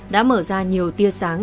đã mở ra nhiều tia sáng